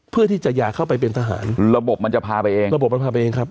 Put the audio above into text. เพื่อที่จะอย่าเข้าไปเป็นทหารระบบมันจะพาไปเองระบบมันพาไปเองครับ